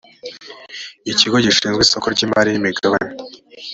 ikigo gishinzwe isoko ry imari n imigabane